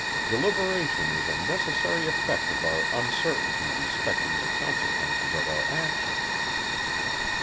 Deliberation is a necessary effect of our uncertainty respecting the consequences of our actions.